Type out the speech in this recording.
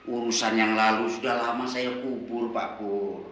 urusan yang lalu sudah lama saya kumpul pak bu